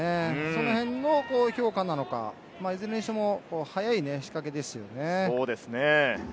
そのへんの評価なのか、いずれにしても早い仕掛けですよね。